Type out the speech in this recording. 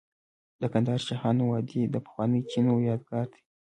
د کندهار شیخانو وادي د پخوانیو چینو یادګار دی